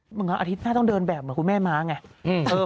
เหมือนว่าอาทิตย์แม่ต้องเดินแบบเหมือนคุณแม่ม้าไง